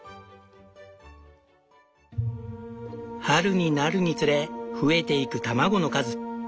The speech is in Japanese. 春になるにつれ増えていく卵の数。